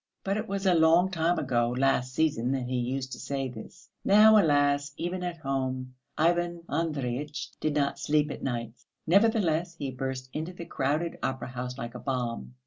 But it was a long time ago, last season, that he used to say this; now, alas! even at home Ivan Andreyitch did not sleep at nights. Nevertheless he burst into the crowded opera house like a bomb.